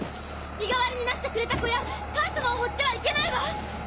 身代わりになってくれた子や母様をほっては行けないわ！